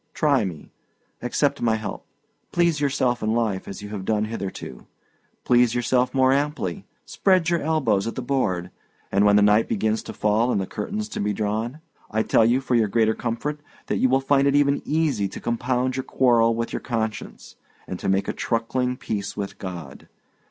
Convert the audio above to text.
Try me; accept my help. Please yourself in life as you have done hitherto; please yourself more amply, spread your elbows at the board; and when the night begins to fall and the curtains to be drawn, I tell you, for your greater comfort, that you will find it even easy to compound your quarrel with your conscience, and to make a truckling peace with God.